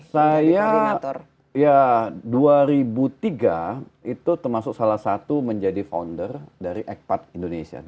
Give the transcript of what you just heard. saya ya dua ribu tiga itu termasuk salah satu menjadi founder dari ekpat indonesia